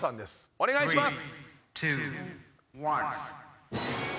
お願いします。